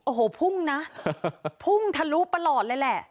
โอ้โหพุ่งนะพุ่งทะลุประหลอดเลยแหละ